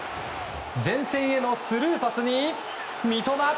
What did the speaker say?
前線へのスルーパスに三笘。